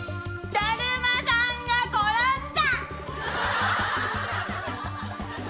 だるまさんが転んだ！